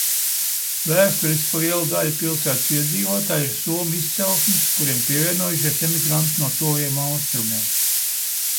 Vēsturiski liela daļa pilsētas iedzīvotāju ir somu izcelsmes, kuriem pievienojušies emigranti no Tuvajiem Austrumiem.